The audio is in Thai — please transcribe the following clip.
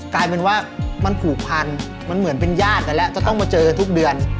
กลายเป็นว่ามันผูกพันมันเหมือนเป็นญาติกันแล้วจะต้องมาเจอกันทุกเดือน